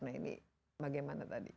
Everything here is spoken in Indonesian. nah ini bagaimana tadi